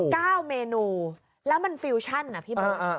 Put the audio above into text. เมนูแล้วมันฟิวชั่นนะพี่เบิร์ต